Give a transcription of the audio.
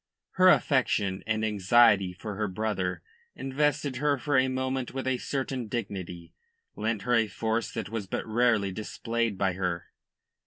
Her affection and anxiety for her brother invested her for a moment with a certain dignity, lent her a force that was but rarely displayed by her.